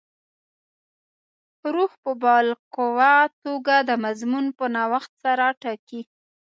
روح په باالقوه توګه د مضمون په نوښت سره ټاکي.